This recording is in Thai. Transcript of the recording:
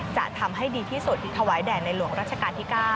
จะทำให้ดีที่สุดถวายแด่ในหลวงรัชกาลที่๙